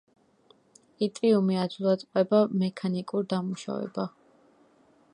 იტრიუმი ადვილად ყვება მექანიკურ დამუშავება.